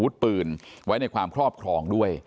มีรถกระบะจอดรออยู่นะฮะเพื่อที่จะพาหลบหนีไป